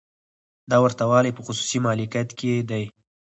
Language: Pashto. دا ورته والی په خصوصي مالکیت کې دی.